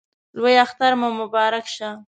لوی اختر مو مبارک شه